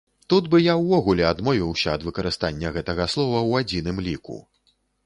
Тут бы я ўвогуле адмовіўся ад выкарыстання гэтага слова ў адзіным ліку.